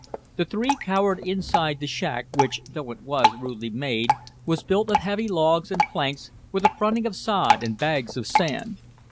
The three cowered inside the shack, which, though it was rudely made, was built of heavy logs and planks, with a fronting of sod and bags of sand.